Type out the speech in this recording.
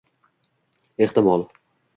Ehtimol